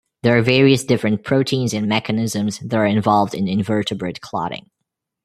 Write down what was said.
There are various different proteins and mechanisms that are involved in invertebrate clotting.